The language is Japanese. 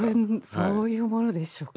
そういうものでしょうか。